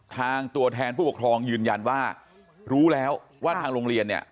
ตัวแทนผู้ปกครองยืนยันว่ารู้แล้วว่าทางโรงเรียนเนี่ย